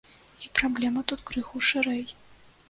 І праблема тут крыху шырэй.